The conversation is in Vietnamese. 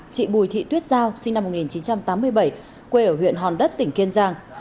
chị bùi thị tuyết giao sinh năm một nghìn chín trăm tám mươi bảy quê ở huyện hòn đất tỉnh kiên giang